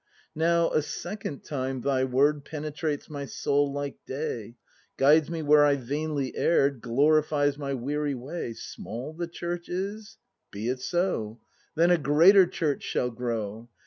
Now, a second time, thy word Penetrates my soul like day, Guides me where I vainly err'd. Glorifies my weary way. Small the Church is? Be it so: Then a greater Church shall grow.